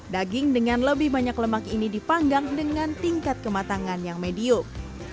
daging dengan lebih banyak lemak ini dipanggang dengan tingkat kematangan yang medium